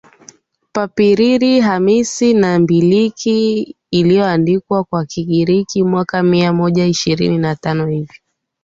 Papiriri hamsini na mbilk iliyoandikwa kwa Kigiriki mwaka mia moja ishirini na tano hivi